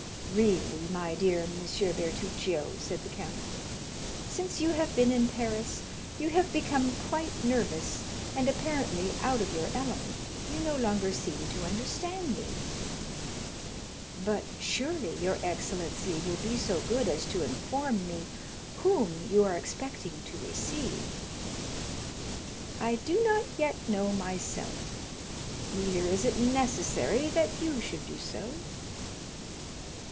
"Really, my dear M. Bertuccio," said the count, "since you have been in Paris, you have become quite nervous, and apparently out of your element; you no longer seem to understand me." "But surely your excellency will be so good as to inform me whom you are expecting to receive?" "I do not yet know myself, neither is it necessary that you should do so.